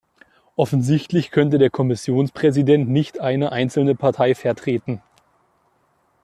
Offensichtlich könnte der Kommissionspräsident nicht eine einzelne Partei vertreten.